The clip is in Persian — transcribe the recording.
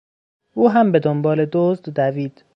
او هم به دنبال دزد دوید.